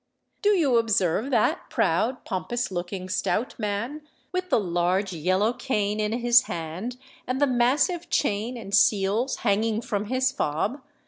Do you observe that proud, pompous looking stout man, with the large yellow cane in his hand, and the massive chain and seals hanging from his fob?